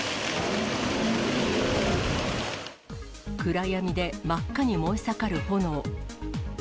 暗闇で真っ赤に燃え盛る炎。